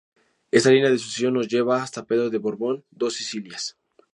Esta línea de sucesión nos lleva hasta Pedro de Borbón- Dos Sicilias.